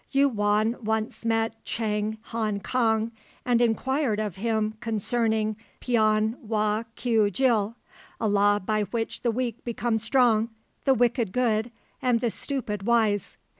Yu won once met Chang Han kang and inquired of him concerning Pyon wha Keui jil (a law by which the weak became strong, the wicked good, and the stupid wise).